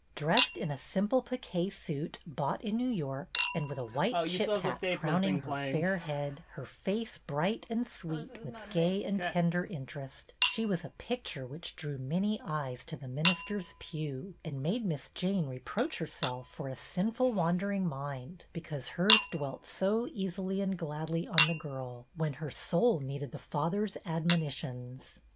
Dressed in a simple pique suit, bought in New York, and with a white chip hat crowning her fair head, her face bright and sweet with gay and tender interest, she was a picture which drew many eyes to the minister's pew, and made Miss Jane reproach herself for a sinful, wandering mind, because hers dwelt so easily and gladly on the girl, when her soul needed the father's admonitions.